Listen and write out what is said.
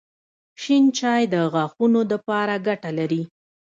شېن چای د غاښونو دپاره ګټه لري